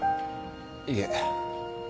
いえ。